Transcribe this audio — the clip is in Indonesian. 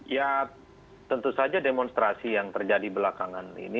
ya tentu saja demonstrasi yang terjadi belakangan ini